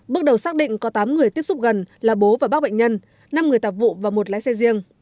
bước đầu xác định có tám người tiếp xúc gần là bố và bác bệnh nhân năm người tạp vụ và một lái xe riêng